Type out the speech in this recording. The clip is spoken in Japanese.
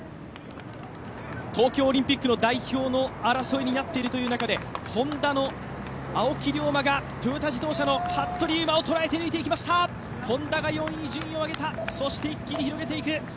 東京オリンピック代表の争いになっている中でＨｏｎｄａの青木涼真がトヨタ自動車の服部勇馬を捉えて抜いていきましたＨｏｎｄａが４位に順位を上げた、そして一気に広げていく。